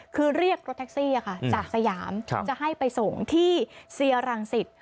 คือเรียกรถแท็กซี่จากสยามจะให้ไปส่งที่เซียรังสิต